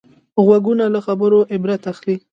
غوږونه له خبرو عبرت اخلي